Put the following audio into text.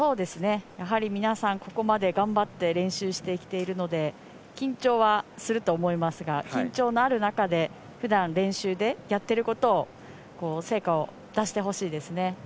皆さん、ここまで頑張って練習してきているので緊張はすると思いますが緊張にある中でふだん練習でやっていることを成果を出してほしいですね。